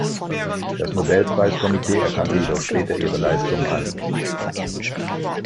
Das Nobelpreiskomitee erkannte jedoch später ihre Leistungen an.